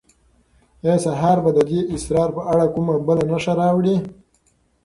آیا سهار به د دې اسرار په اړه کومه بله نښه راوړي؟